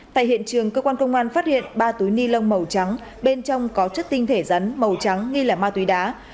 tại hiện trường cơ quan công an phát hiện ba túi ni lông màu trắng bên trong có chất tinh thể rắn màu trắng nghi là ma túy đá